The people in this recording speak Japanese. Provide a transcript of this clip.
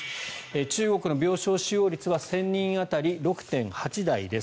中国の病床使用率は１０００人当たり６．８台です。